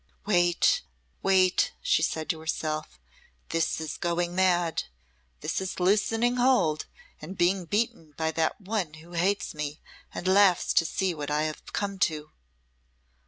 "Wait! wait!" she said to herself. "This is going mad. This is loosening hold, and being beaten by that One who hates me and laughs to see what I have come to."